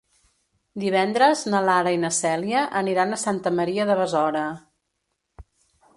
Divendres na Lara i na Cèlia aniran a Santa Maria de Besora.